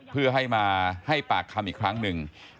เพื่อให้มาให้ปากคำอีกครั้งหนึ่ง